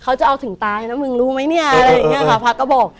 เขาจะเอาถึงตายแล้วมึงรู้ไหมเนี่ยอะไรอย่างเงี้ยค่ะพระก็บอก